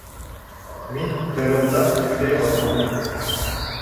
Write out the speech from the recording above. Мин тырылдап эшләй башланым.